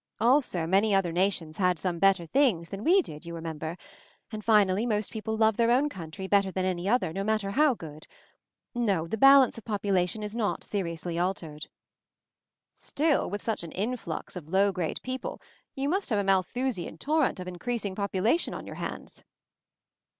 Also, many other nations had some better things than we did, you remember. And finally most people love their own country better than any other, no matter how good. No, the bal ance of population is not seriously altered/' "Still, with such an influx of low grade people you must have a Malthusian torrent of increasing population on your hands."